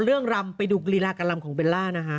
รำไปดูรีลาการรำของเบลล่านะคะ